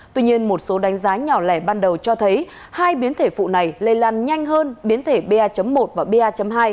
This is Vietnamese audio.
tuy nhiên một số đánh giá nhỏ lẻ ban đầu cho thấy hai biến thể phụ này lây lan nhanh hơn biến thể ba một và ba hai